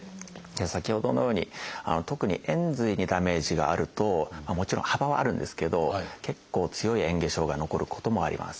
先ほどのように特に延髄にダメージがあるともちろん幅はあるんですけど結構強いえん下障害残ることもあります。